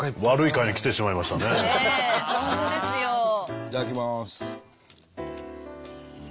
いただきます。